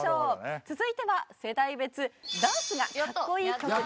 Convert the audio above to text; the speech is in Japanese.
続いては世代別「ダンスがカッコイイ！曲」です。